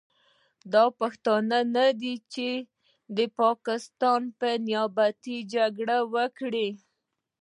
دا پښتانه نه دي چې د پاکستان په نیابت جګړه وکړي.